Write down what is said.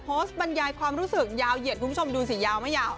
บรรยายความรู้สึกยาวเหยียดคุณผู้ชมดูสิยาวไม่ยาว